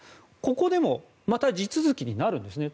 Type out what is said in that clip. ここでもまた地続きになるんですね。